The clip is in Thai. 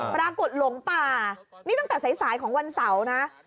หลงป่านี่ตั้งแต่สายของวันเสาร์นะ